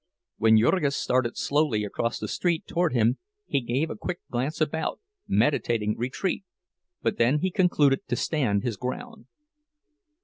When Jurgis started slowly across the street toward him, he gave a quick glance about, meditating retreat, but then he concluded to stand his ground.